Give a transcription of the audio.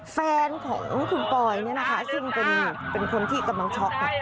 แฟนของคุณปอยนี่นะคะซิมกะนีเป็นคนที่กำลังช็อค